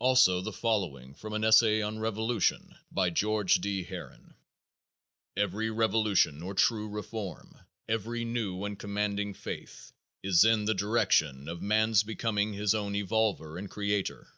Also the following from an essay on Revolution by George D. Herron: "Every revolution or true reform, every new and commanding faith, is in the direction of man's becoming his own evolver and creator.